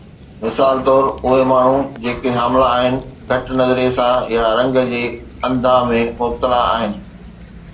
مثال طور، اهي ماڻهو جيڪي حامله آهن گهٽ نظريي سان يا رنگ جي انڌا ۾ مبتلا آهن